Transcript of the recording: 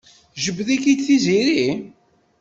Tjebbed-ik-id Tiziri?